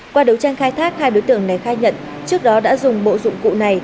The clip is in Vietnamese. qua đấu tranh khai thác hai đối tượng này khai nhận trước đó đã dùng bộ dụng cụ này